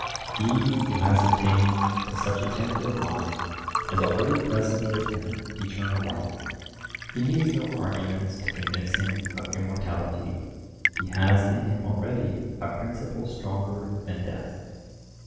He who has attained to such a temper of mind has already present with him eternal life; he needs no arguments to convince him of immortality; he has in him already a principle stronger than death.